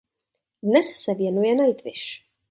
Dnes se věnuje Nightwish.